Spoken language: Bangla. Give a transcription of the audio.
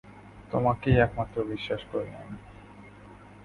তোমাকেই একমাত্র বিশ্বাস করি আমি।